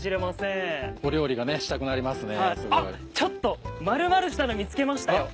ちょっと丸々したの見つけましたよ。